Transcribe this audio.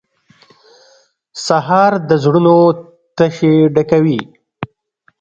سهار د زړونو تشې ډکوي.